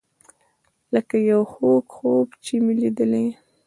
لکه یو خوږ خوب چې مې لیدی.